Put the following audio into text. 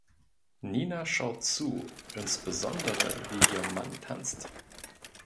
Nina schaut zu, insbesondere wie ihr Mann tanzt.